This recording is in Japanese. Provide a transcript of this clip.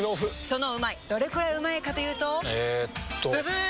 そのうまいどれくらいうまいかというとえっとブブー！